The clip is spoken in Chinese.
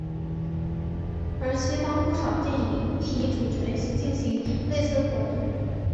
而西方不少电影亦以主角进行类似活动。